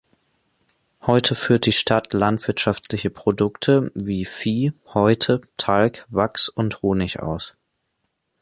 Heute führt die Stadt landwirtschaftliche Produkte wie Vieh, Häute, Talg, Wachs und Honig aus.